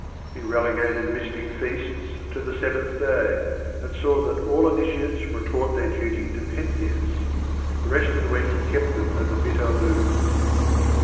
He relegated the mystic feasts to the seventh day, and saw that all initiants were taught their duty to Pentheus. The rest of the week he kept them at the bitter loom.